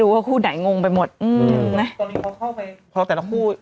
ว่าคู่ไหนงงไปหมดอืมนะตอนนี้เขาเข้าไปพอแต่ทั้งคู่